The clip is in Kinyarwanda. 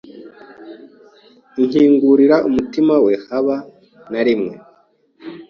ankingurira umutima we habe na rimwe